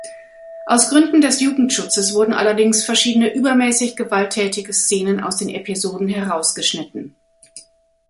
Aus Gründen des Jugendschutzes wurden allerdings verschiedene übermäßig gewalttätige Szenen aus den Episoden herausgeschnitten.